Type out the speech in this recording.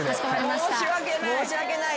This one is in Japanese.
申し訳ない。